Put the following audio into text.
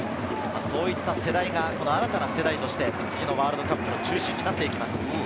こういった世代が新たな世代として次のワールドカップの中心になっていきます。